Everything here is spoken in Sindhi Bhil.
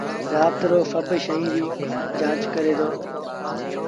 رآت رو سڀ شئيٚن ريٚ جآݩچ ڪري دو۔